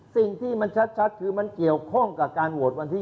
สิ่งที่มันชัดคือมันเกี่ยวข้องกับการโหวตวันที่๒